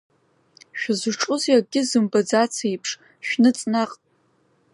Шәызҿузеи акгьы зымбаӡац иеиԥш, шәныҵ наҟ!